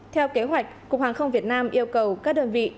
theo kế hoạch cục hàng không việt nam yêu cầu các đơn vị